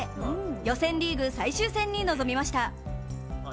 予選リーグ最終戦に臨みました。